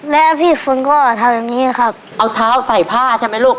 แล้วพี่ฝนก็ทำอย่างนี้ครับเอาเท้าใส่ผ้าใช่ไหมลูก